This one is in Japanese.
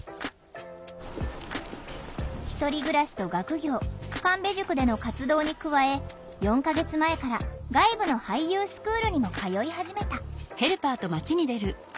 １人暮らしと学業神戸塾での活動に加え４か月前から外部の俳優スクールにも通い始めた。